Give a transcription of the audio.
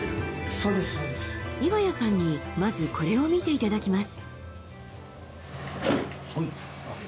そうです岩谷さんにまずこれを見ていただきます